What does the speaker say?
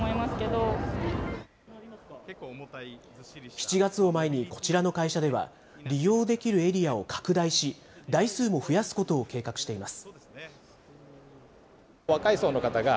７月を前に、こちらの会社では利用できるエリアを拡大し、台数も増やすことを計画しています。